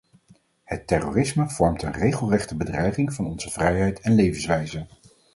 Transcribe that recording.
Het terrorisme vormt een regelrechte bedreiging van onze vrijheid en levenswijze.